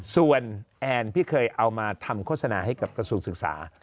ส่วนแอนที่เคยเอามาทำโฆษณาให้กับกระทรวงศึกษา